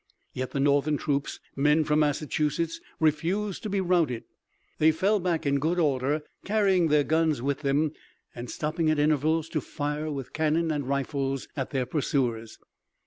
Yet the Northern troops, men from Massachusetts, refused to be routed. They fell back in good order, carrying their guns with them, and stopping at intervals to fire with cannon and rifles at their pursuers.